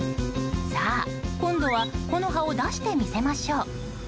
さあ、今度は木の葉を出してみせましょう。